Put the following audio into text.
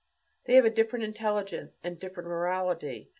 They have a different intelligence and different morality.